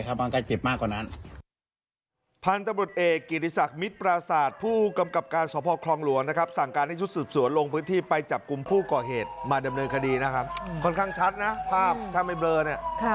เขาบ้างก็เจ็บมากกว่านั้น